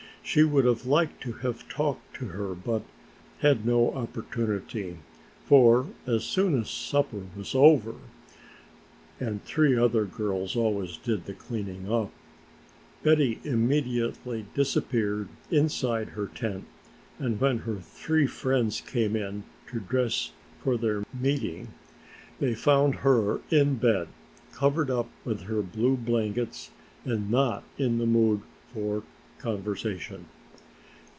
She would have liked to have talked to her but had no opportunity, for as soon as supper was over (and three other girls always did the clearing up) Betty immediately disappeared inside her tent, and when her three friends came in to dress for their meeting they found her in bed covered up with her blue blankets and not in the mood for conversation.